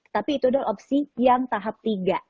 tapi itu adalah opsi yang tahap tiga